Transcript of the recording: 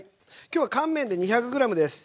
今日は乾麺で２００ｇです。